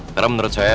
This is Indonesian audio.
karena menurut saya